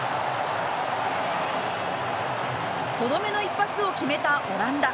とどめの一発を決めたオランダ。